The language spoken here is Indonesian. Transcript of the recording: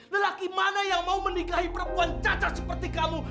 lelaki mana yang mau menikahi perempuan cacat seperti kamu